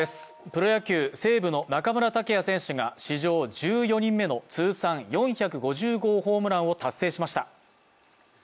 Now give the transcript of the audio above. プロ野球、西武の中村剛也選手が史上１４人目の通算４５０号ホームランを達成しました。